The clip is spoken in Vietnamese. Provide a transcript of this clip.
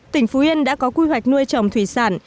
tỉnh phú yên đã có quy hoạch nuôi trồng thủy sản